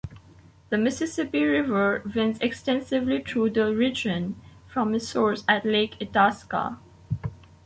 The Mississippi River winds extensively through the region from its source at Lake Itasca.